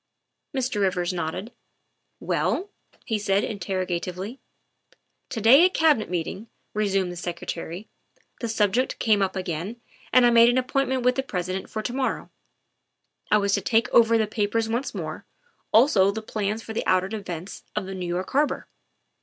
'' Mr. Rivers nodded. " Well?" he said interrogatively. " To day at Cabinet meeting," resumed the Secre tary, " the subject came up again and I made an ap pointment with the President for to morrow; I was to take over the papers once more, also the plans of the outer defences of New York Harbor.